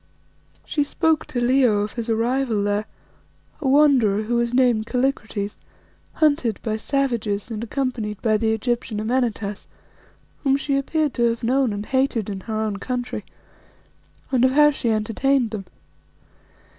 She spoke to Leo of his arrival there, a wanderer who was named Kallikrates, hunted by savages and accompanied by the Egyptian Amenartas, whom she appeared to have known and hated in her own country, and of how she entertained them.